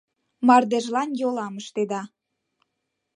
Мардежлан йолам ыштеда.